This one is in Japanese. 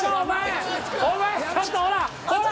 お前ちょっとほらほら。